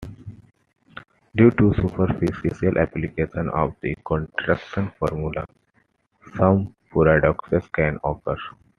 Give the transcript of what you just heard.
Due to superficial application of the contraction formula some paradoxes can occur.